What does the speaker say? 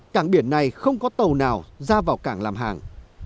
cảng biển này không có tàu nào ra vào cảng làm hàng